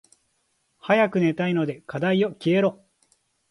早く寝たいので課題よ消えろ。